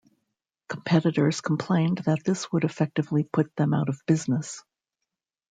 Competitors complained that this would effectively put them out of business.